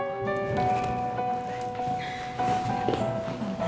pantannya bengkel saus